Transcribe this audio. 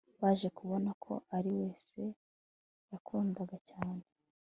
baje kubona ko ari we se yakundaga cyane